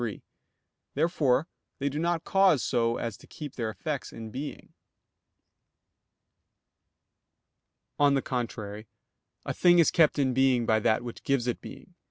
3). Therefore they do not cause so as to keep their effects in being. On the contrary, A thing is kept in being by that which gives it being.